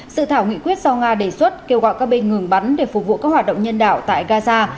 sự thảo nghị quyết do nga đề xuất kêu gọi các bên ngừng bắn để phục vụ các hoạt động nhân đạo tại gaza